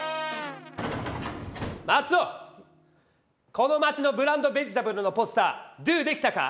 この町のブランドベジタブルのポスタードゥできたか？